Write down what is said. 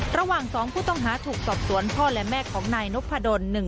ระหว่าง๒ผู้ต้องหาถูกสอบสวนพ่อและแม่ของนายนพดล